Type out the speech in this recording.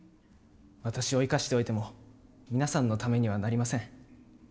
私を生かしておいても皆さんのためにはなりません。